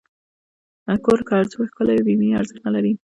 کور که هر څومره ښکلی وي، بېمینې ارزښت نه لري.